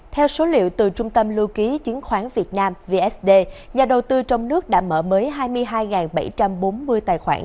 theo số liệu từ trung tâm lưu ký chứng khoán việt nam vsd nhà đầu tư trong nước đã mở mới hai mươi hai bảy trăm bốn mươi tài khoản